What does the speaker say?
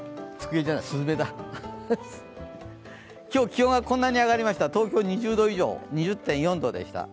今日、気温はこんなに上がりました東京、２０．４度でした。